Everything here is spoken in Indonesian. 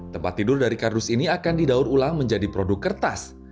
tempat tidur dari kardus ini akan didaur ulang menjadi produk kertas